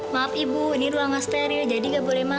maaf ibu ini ruang gak steril jadi gak boleh masuk